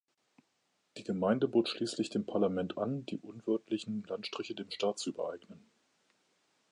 Die Gemeinde bot schließlich dem Parlament an, die unwirtlichen Landstriche dem Staat zu übereignen.